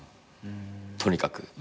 とにかく。